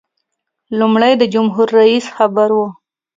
لومړی د جمهور رئیس خبر و.